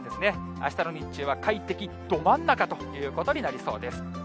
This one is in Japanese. あしたの日中は快適ど真ん中ということになりそうです。